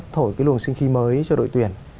thổi cái luồng sinh khí mới cho đội tuyển